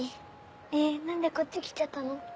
えっ何でこっち来ちゃったの？